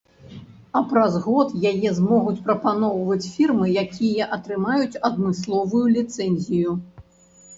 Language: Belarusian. А праз год яе змогуць прапаноўваць фірмы, якія атрымаюць адмысловую ліцэнзію.